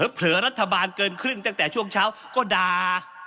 เผลอรัฐบาลเกินครึ่งตั้งแต่ช่วงเช้าก็ด่า